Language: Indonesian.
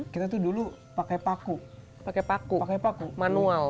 kita tuh dulu pakai paku pakai paku manual